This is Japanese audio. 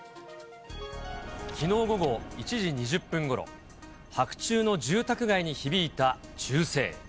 きのう午後１時２０分ごろ、白昼の住宅街に響いた銃声。